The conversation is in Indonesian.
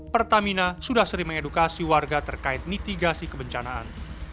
pertamina sudah sering mengedukasi warga terkait mitigasi kebencanaan